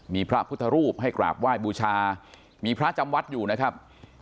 มีพระพุทธรูปให้กราบไหว้บูชามีพระจำวัดอยู่นะครับ